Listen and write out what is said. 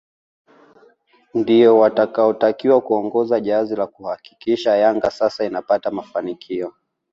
Ndio watakaotakiwa kuongoza jahazi la kuhakikisha Yanga sasa inapata mafanikio